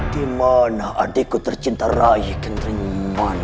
dimana adikku tercinta raih kenternyaman